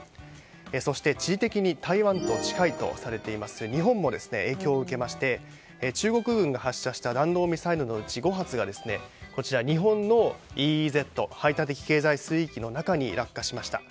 そして、地理的に台湾と近いとされています日本も影響を受けまして中国軍が発射した弾道ミサイルのうち５発が、日本のＥＥＺ・排他的経済水域の中に落下しました。